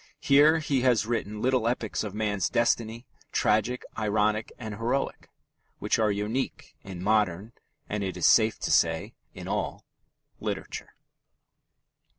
Here he has written little epics of man's destiny, tragic, ironic, and heroic, which are unique in modern (and, it is safe to say, in all) literature.